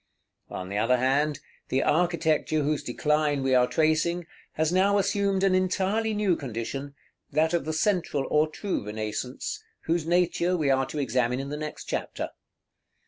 On the other hand, the architecture whose decline we are tracing, has now assumed an entirely new condition, that of the Central or True Renaissance, whose nature we are to examine in the next chapter.